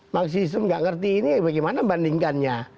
maksik useful kamu nggak ngerti bagaimana membandingkannya